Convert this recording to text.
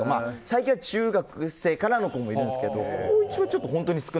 最近は中学生からの子もいるんですけども可愛い！